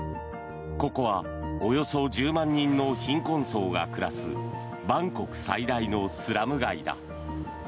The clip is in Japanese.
ここはおよそ１０万人の貧困層が暮らすバンコク最大のスラム街だ。